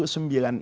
jadi itu memang